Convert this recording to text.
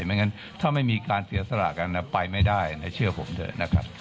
ไม่งั้นถ้าไม่มีการเสียสละกันไปไม่ได้ในเชื่อผมเถอะนะครับ